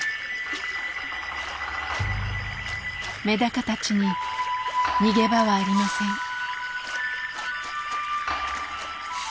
メダカたちに逃げ場はありません。